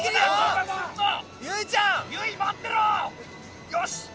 よし。